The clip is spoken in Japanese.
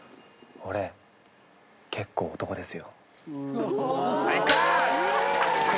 「俺結構男ですよ」